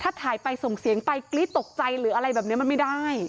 ถ้าถ่ายไปส่งเสียงไปกรี๊ดตกใจหรืออะไรแบบนี้มันไม่ได้